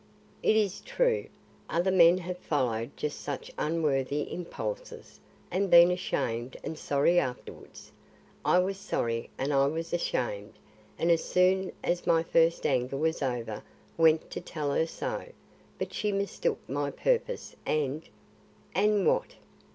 "It is true. Other men have followed just such unworthy impulses and been ashamed and sorry afterwards. I was sorry and I was ashamed, and as soon as my first anger was over went to tell her so. But she mistook my purpose and " "And what?"